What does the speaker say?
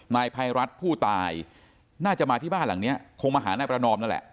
นายภัยรัฐผู้ตายน่าจะมาที่บ้านหลังนี้คงมาหานายประนอมนั่นแหละ